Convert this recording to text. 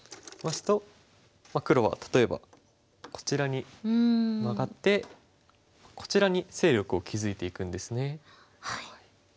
黒は例えばこちらにマガってこちらに勢力を築いていくんですね。